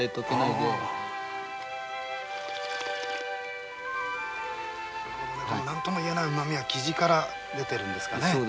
この何ともいえないうま味はキジから出てるんですかね？